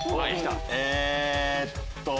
えっと。